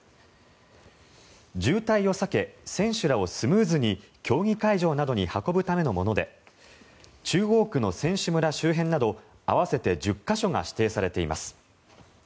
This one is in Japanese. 渋滞を避け、選手らをスムーズに競技会場などに運ぶためのもので中央区の選手村周辺など合わせて１０か所が指定されています。